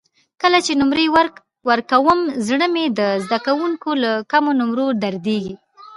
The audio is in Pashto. کله چې نمرې ورکوم زړه مې د زده کوونکو له کمو نمرو دردېږي.